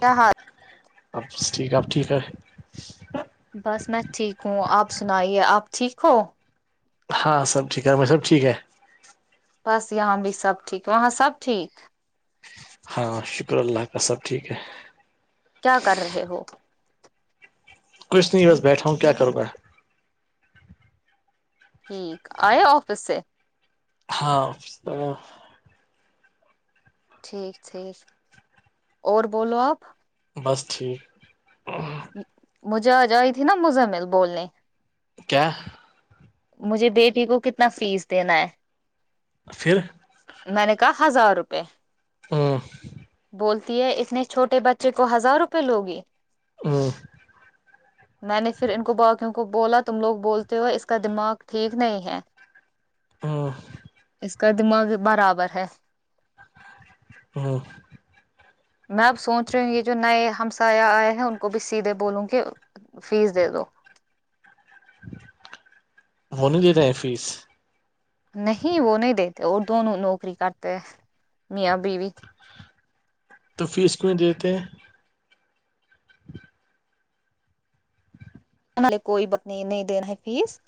کیا ہاں اب ٹھیک اپ ٹھیک ہے بس میں ٹھیک ہوں آپ سنائیے آپ ٹھیک ہو ہاں سبٹھیک ہے ہم بھائی سب ٹھیک ہے بس یہاں بھی سب ٹھیک وہاں سب ٹھیک ہاں شکر اللہ کا سب ٹھیک ہے کیا کر رہے ہو کچھ نہیںی ہوس بیٹھا ہوں کیا کر ب گا ٹھیک آئے آفس سے ہاں ٹھیک ٹھیک اور بولو آپ بس ٹھیک مجھے آ جائی تھی نا مزمل بولنے کیا مجھے بیٹی کو کتنا فیس دینا ہے پھر میں نے کہا ہزار روپے ہاں بولتی ہے اتنے چھوٹے بچے کو ہزار روپے لوگی ہ [unintelligible] میں نے پھر ان کو باقیوں کو بولا تم لوگ بول ہوئے اس کا دماغ ٹھیک نہیں ہے ہاں اس کا دماغ برابر ہے ہاں میں اب سوچ رہی ہوں گی جو نئے ہم سایہ آئے ہیں ان کو بھی سیدھے بولوں گے فیس دے دو وہ نہیں دے رہے ہیں فیس نہیں وہ نہیں دیتے اور دونوں نوکری کرتے ہیں میاں بیوی تو فیس کیوں میں دیتے ہیں ان نے کوئی ب نہیں نہیں دین ہے فیس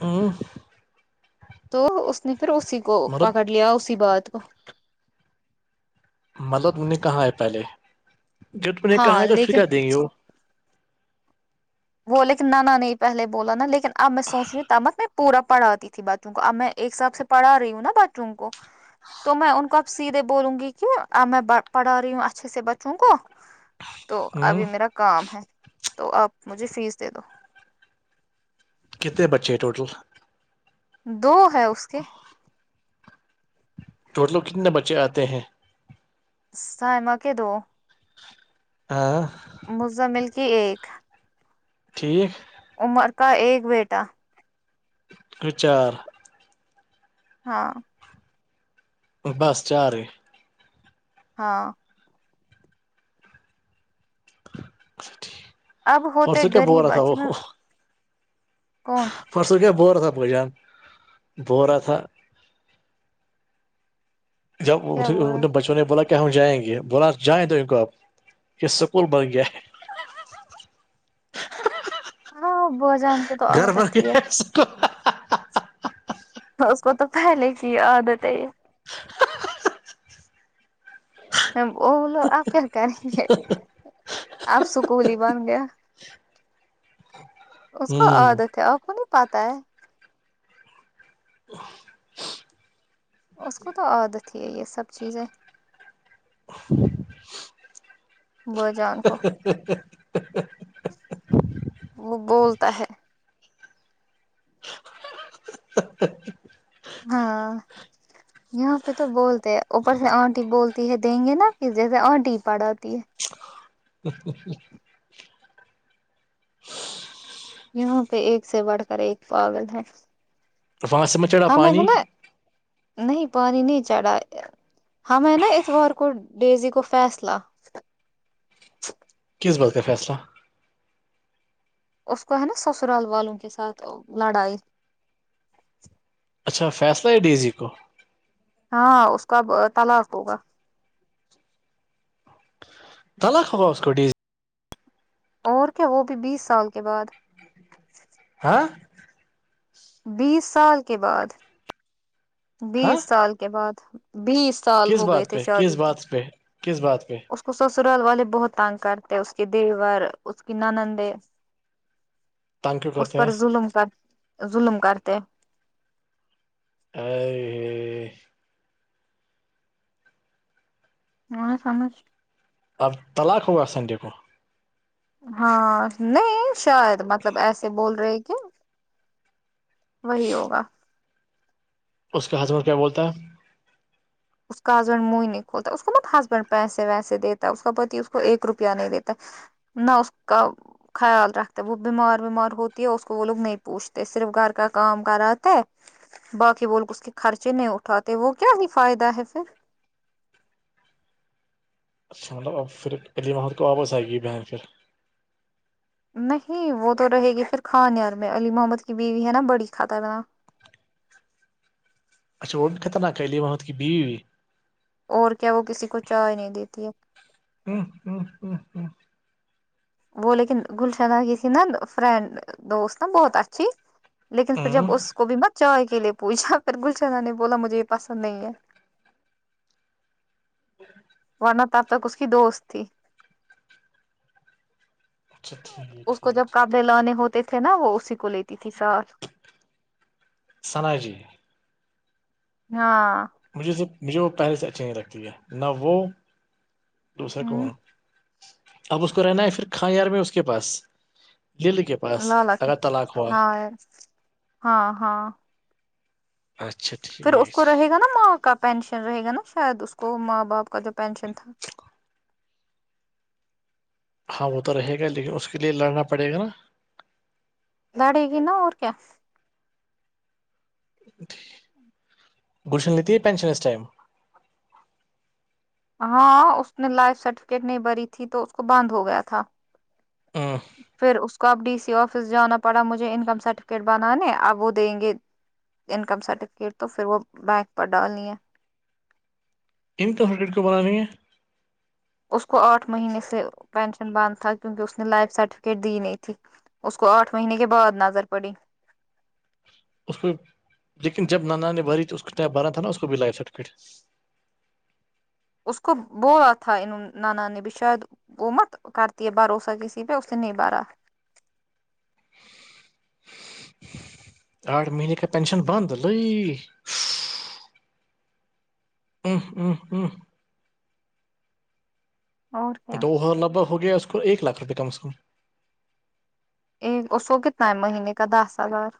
ہوں تو اس نے پھر اسی کو مرد پکڑ لیا اسی بات کو ملب نے کہاں ہے پہلے ج ت نے کہاںا ہاں ہے تو پھر لیکن کر دیں گے وہ وہ لیکن نہیں پہلے بولا نا لیکن اب میں سوچی تامک میں پورا پڑاتی تھی تھی بچوں کو اب میں ایک حساب سے پڑھا رہی ہوں نا بچوں کو تو میں ان کو اب سیدھے بولوں گی کہ میں پڑھا رہی ہوں اچھے سے بچوں کو تو ہ ابھی میرا کام ہے تو آپ مجھے فیس دے دو کتنے بچے ٹوٹل دو ہے اس کے ٹوٹلو کتنے بچے آتے ہیں سائمہ کہ دو ہاں مزمل کی ایک ٹھیک عمر کا ایک بیٹا ہ چار [inaudible] ہاں بس چار ہی ہاں ا اب ہوتے پرسوں کیا بو رہا غریب تھا اچ وہ میں کون پرسوں کیا ب رہا تھا بئی جان ب رہا تھا جب کیا بول رہا ان بچ [inaudible] نے بولا کیا ہم جائیں گے بولا جائیں تو ان کو اب یہ سکول بن گیا ہے ہاں بجن گھر پر کے [inaudible] اس کو تو پہلے کی عادت ہے وہ بولو آپ کیا کریں گے آپ سکول ہی بن گیا ا [inaudible] اس کو عادت ہے اور کو نہیں پاتا ہے [unintelligible] اس کو تو عادت ہی ہے یہ سب چیزیں بو جا ان کو [unintelligible] ا [inaudible] وہ بولتا ہے ہاں یہاں پہ تو بولتے ہیں اوپر سے آنٹی بولتی ہے دیں گے نا پھر جیسے آنٹی پڑ آی ہے کچھ کچھ کچھ [inaudible] یہاں پہ ایک سے بڑھ کر ایک پاگل ہے وہاں سے میں چڑھا ہاں م پانی جل [inaudible] نہیں پانی نہیں چڑھا ہمیں نا اتوار کو ڈیزی کو فیصلہ کس بات کا فیصلہ اس کو ہے نا سسرال والوں کے ساتھ لڑائی اچھا فیصلہ ہے ڈی سی کو ہاں اس کا تلاق ہوگا [unintelligible] تلاخ خ ہوا اس کو ڈی [unintelligible] اور کیا وہ بھی بیس سال کے بعد ہاں بیس سال کے بعد ہاں بیس سال کے بعد بیس سال کس ہو گئے بات تھے پہ کس شادی تو بات پہ کس بات پہ اس کو سسرال والے بہت تانگ کرتے ہیں اس کے دیور اس کی نانندے تنگ کیوں اس کرتے پر ہیں ظلم کر ظلم کرتے ا [inaudible] ا [inaudible] م نے سمج [inaudible] اب طلاق ہوا سنڈے کو ہاں نہیں شاید مطلب ایسے بول رہے کیا وہی ہوگا اس کا حضمر کیا بولتا ہے [unintelligible] اس کا ہسبینڈ منہ نہیں کھولتا اس کو بہت ہسبینڈ پیسے ویسے دیتا ہے اس کا پتی اس کو ایک روپیہ نہیں دیتا نہ اس کا خیال رکھتے وہ بیمار ومار ہوتی ہے اس کو وہ لوگ نہیں پوچھتے صرف گھر کا کام کراتے باقی بولگ اس کے خرچے نہیں اٹھاتے وہ کیا نہیں فائدہ ہے پھر اچھا مطلب پھر علیمحد کو واپس آئے گی بہن پھر نہیں وہ تو رہے گی پھر کھانیار میں علی محمد کی بیوی ہے نا بڑی خھاترا اچھا وہ بھی خرناک لی ہے وہاں کی بیو ہوی اور کیا وہ کسی کو چائے نہیں دیتی ہے ا ا ا آ وہ لیکن گلشدہ کی تھی نا فرینڈ دوست نا بہت اچھی لیکن پھر ہوں جب اس کو بھی مت چائے کے لیے پوچھا پھر گلشناہ نے بولا مجھے یہ پسند نہیں ہے ہ ورنہ تب تک اس کی دوست تھی اچھا ٹھیک اس کو جب ٹھیک قابڑے لے ہوتے تھے نا وہ اسی کو لیتی تتھی ساات ثنا جی ہاں مجھے صرف مجھے وہ پہلے سے اچھی نہیں لگتی ہے نہ وہ دوسرا کون ہ اب اس کو رہنا ہے پھر کاں یار میں اس کے پاس لل کے ل پاس لک اگر طلاق ہوا ہاں ہاں ہاں اچھا پھر اس ٹھیک کو رہے گا نا ماں کا پینشن رہے گا نا شاید اس کو ماں باپ کا جو پینشن تھا ہاں وہ تو رہے گا لیکن اس کے لیے لڑنا پڑے گا نا داڑے گی نا اور کیا گلشن لیتی ہے پینشن اس ٹائم ہاں اس نے لائف سرٹیفکیٹ نہیں بری تھی تو اس کو بند ہو گیا تھا آ پھر اس کو اب ڈی س آفس جانا پڑا مجھے انکم سرٹیفکیٹ بنانے آپ وہ دیں گے انکم سرٹیفکیٹ تو پھر وہ بینک پر ڈالنی ہے ان تو ہنڈریڈ کو بنانی ہے اس کو آٹھ مہینے سے پینشن بند تھا کیونکہ اس نے لائف سرٹیفکیٹ دی نہیں تھی اس کو آٹھ مہینے کے بعد نظر پڑی اس کو لیکن جب نانا نے بری تھی اس بارا تھا نا اس کو بھی لائف سرٹیفکیٹ اس کو بولا تھا ان نانا نے بھی شاید وہ مت کرتی ہے بھروسہ کسی پہ اسے نہیں بارا آٹھ مہینے کا پینشن بند ہے ل ا ا ہ اور کیا تو وہ لگ بھگ ہو گیا اس کو ایک لاکھ روپئے کم سے کم اس کو کتنا ہے مہینے کا دس ہزار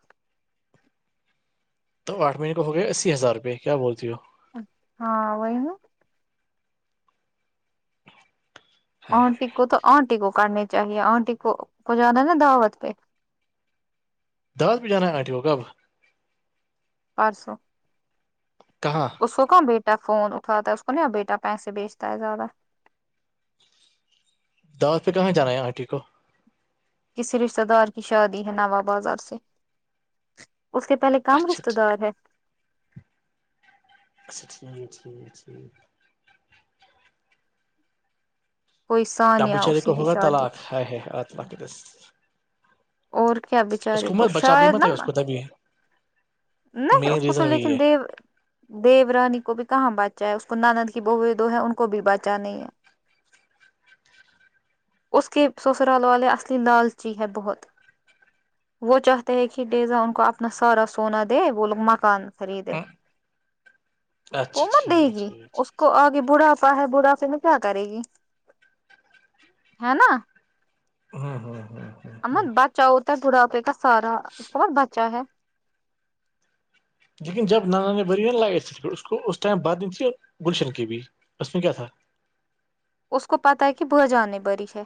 تو آٹ مہینے کا ہو گیا اسی ہزار روپئے کیا بولتی ہو چ ہاں وہئیین آٹی کو تو آٹی کو کاٹنی چاہیے آٹی کو کو زیادہ نا دعوت پہ دس بج جانا ہے آٹیو کاب پرسو کہ اس کو کہاں بیٹا فون اٹھاتا ہے اس کو نہیں بیٹا پیسے بیچتا ہے زیادہ دعوت پہ کہاں جانا ہے آٹی کو کسی رشتے دار کی شادی ہے نو بازار سے اس کے پہلے کم اچھا رشتے دار ہے اچھا ٹھیک ہے ٹھیک ٹھیک کوئی آپ سانیہ بیچارے کو اسی کی ہوگا شادی طلاق ہے ہے اللہ اور کیا [inaudible] اس بچارے کو مت بچا بھی شاید مت ہے اس نا کو تبھی ہے [inaudible] نہیں اس کو تو یہی ہے لیکن دیو دیو رانی کو بھی کہاں بانچا ہے اس کو نانند کی بہ دو ہے ان کو بھی بچا نہیں ہے [inaudible] اس کے سسرال والے اصلی لالچی ہے بہت وہ چاہتے ہے کہ ڈیزا ان کو اپنا سارا سونا د وہ لوگ مکان خرید ہے ہوں، اچھا وہومن دے ٹھیک گی ٹھیک ٹھیک۔ اس کو کو آگ بڑھاپا ہے بڑھا پے میں کیا کرے گی ہے نا ہاں ہاں ہاں ام بچاؤ ہوتا ہے تھوڑا پہ کا سارا بہت بچاؤ ہے [inaudible] لیکن جب نانان نے بری ن ل پ اس کو اس ٹائم بد نہیں تھی گلشن کی بھی اس میں کیا تھا [inaudible] اس کو پتا ہے کہ بو جان نہیں بڑی ہے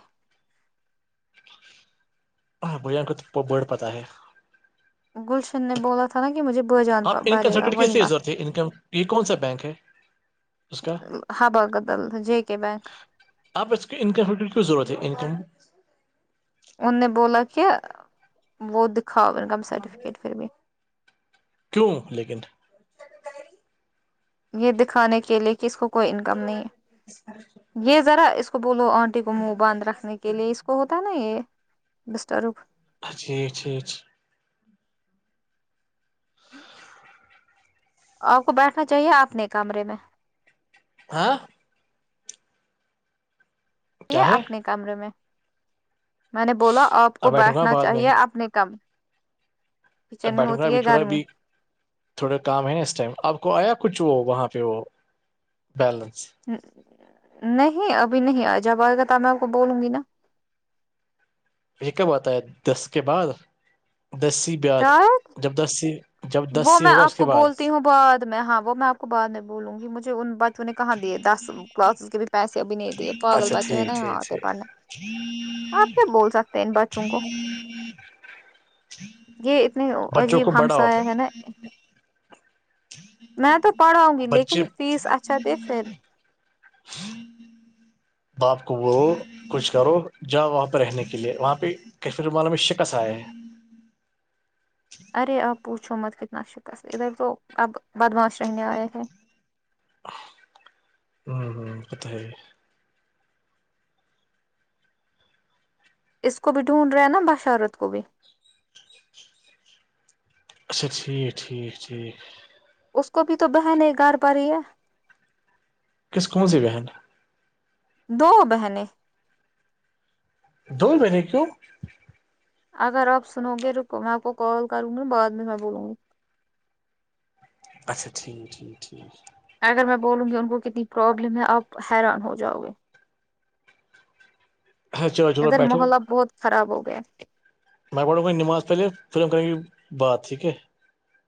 ہاں بھں کو تو بڑ پتہ ہے [inaudible] گلشن نے بولا تھا نا کہ مجھے ب جان آپ انکم برے گا سرٹیفکیٹ وہی کی مت [inaudible] ضرورت ہے انکم یہ کون سا بینک ہے اس کا ہ بگد ال جے کے بنک [unintelligible] آپ اس کے انکم فیکٹر کیوں ضرورت ہے انکم [inaudible] ان نے بولا کہ وہ دکھا کیوں لیکن یہ دکھانے کے لیے کہ اس کو کوئی انکم نہیں ہے یہ ذرا اس کو بولو آنٹی کو کو منہ باندھ رکھنے کے لیے اس کو ہوتا نا یہ ڈسٹرب [inaudible] اچ اا اچھا اچھا ہ [inaudible] آپ کو بیٹھنا چاہیے آپ نے کمرے میں ہاں یہ کیا ہے اپنے کمرے میں میں نے بولا آپ کو اب بیٹھوں گا بیٹھنا بعد میں چاہیے اپنے کم اب کچن میں بیٹھوں گا ہوتی ابھی ہے تھوڑا گرمی بھی تھوڑا کام ہے نا اس ٹائم آپ کو آیا کچھ وہ وہاں پہ وہ بیلنس نہیں ابھی نہیں آ جب آئے گا توب میں آپ کو بولوں گی نا یہ کب آتا ہے دس کے بعد دسی بعد شاید جب دس [inaudible] جب دس وہ سی میں ہوگا اس آپ کے کو بعد بولتی ہوں بد میں ہاں وہ میں آپ کو بع میں بولوں گی مجھے ان بچ [unintelligible] نے کہاں دیے دس کلاسز کے بھی پیسے ابھی نہیں دیے پاگل اچھا بچے ہیں ٹھیک نا ٹھیک یہاںتے پڑھنے [inaudible] آپ کیا بول سکتے ہیں ان بچوں کو یہ اتنی بچوں کو عجیب بڑا ہمسا آف ہے نا میں تو پڑھاؤں گی لیکن بچے فیس اچھا دے پھر باپ کو وہ کچھ کرو جاؤ وہاں پہ رہنے کے لیے وہاں پہ کیفھر مانا میں شکص آئے ہے [inaudible] ارے آپ پوچھو مت کتنا شکست ادھر تو اب بدماش رہنے آئے ہیں ہاں ہاں بتائے اس کو بھی ڈھونڈ رہے ہیں نا باشرت کو بھی اچھا ٹھیک ٹھیک ٹھیک اس کو بھی تو بہن نہیں گاڑ پا رہی ہے کس کون سی بہن ہے دو بہنیں دو بہنیں کیوں اگر آپ سنو گے تو میں آپ کو کال کروں گا بعد میں میں بولوں گی اچھا ٹھیک ٹھیک ٹھیک اگر میں بولوں گی ان کو کتنی پروابلم ہے آپ حیران ہو جاؤ گے ہاں چلو چلو اد بیٹھو محلہ بہت خراب ہو گیا میں پڑھوگا نماز پہلے پھر ہم کریں گ یہ بات ٹھیک ہے